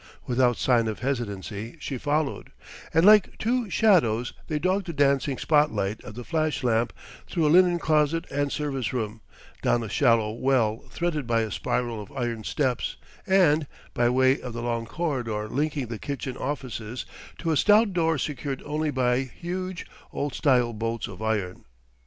Without sign of hesitancy, she followed; and like two shadows they dogged the dancing spot light of the flash lamp, through a linen closet and service room, down a shallow well threaded by a spiral of iron steps and, by way of the long corridor linking the kitchen offices, to a stout door secured only by huge, old style bolts of iron.